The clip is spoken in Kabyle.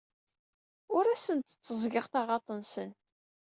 Ur asen-d-tteẓẓgeɣ taɣaḍt-nsen.